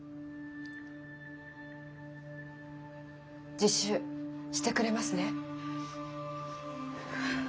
自首してくれますね？